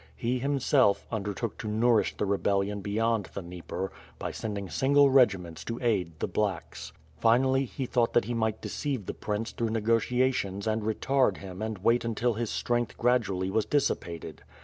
He, himself, undertook to nourish the rebellion beyond the Dnieper, by sendincr single regiments to aid the %lacks." Finally, he thought that he might deceive the prince through negotiations and retard him and wait until his strength gradually was dissipated.